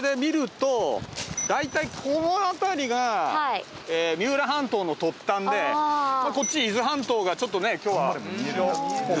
大体この辺りが三浦半島の突端でこっち伊豆半島がちょっとね今日は色濃くて。